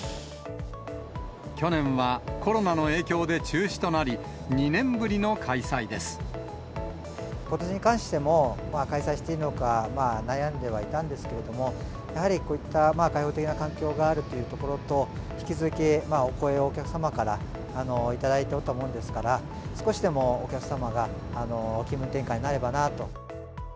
去年はコロナの影響で中止となり、ことしに関しても、開催していいのか悩んではいたんですけれども、やはりこういった開放的な環境があるというところと、引き続きお声を、お客様から頂いておったものですから、少しでもお客様が、気分転換になればなと。